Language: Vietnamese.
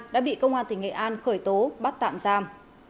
đã bị công an tỉnh nghệ an khởi tố bắt tạm giam